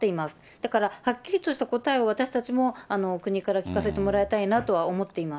だからはっきりとした答えを私たちも国から聞かせてもらいたいなとは思っています。